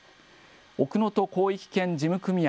奥能登広域圏事務組合